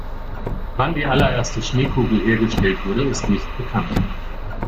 Wann die allererste Schneekugel hergestellt wurde, ist nicht bekannt.